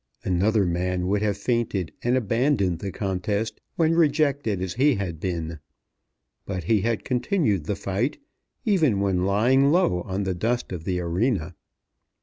Another man would have fainted and abandoned the contest, when rejected as he had been. But he had continued the fight, even when lying low on the dust of the arena.